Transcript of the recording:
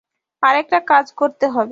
আরেকটা কাজ করতে হবে।